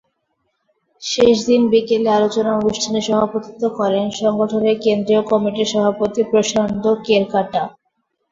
শেষ দিন বিকেলে আলোচনা অনুষ্ঠানে সভাপতিত্ব করেন সংগঠনের কেন্দ্রীয় কমিটির সভাপতি প্রশান্ত কেরকাটা।